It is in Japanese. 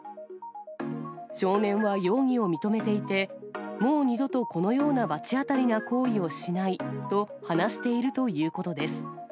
少年は容疑を認めていて、もう二度と、このような罰当たりな行為をしないと話しているということです。